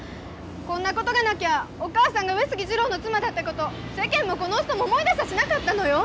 こんなことがなきゃお母さんが上杉二郎の妻だってこと世間もこの人も思い出しゃしなかったのよ！